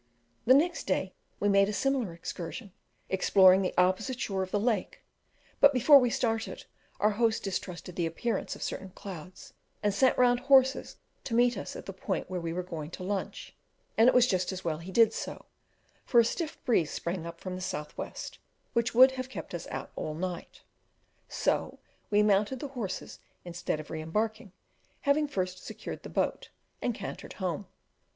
The next day we made a similar excursion, exploring the opposite shore of the lake; but, before we started, our host distrusted the appearance of certain clouds, and sent round horses to meet us at the point where we were going to lunch; and it was just as well he did so, for a stiff breeze sprang up from the south west, which would have kept us out all night. So we mounted the horses instead of re embarking, having first secured the boat, and cantered home.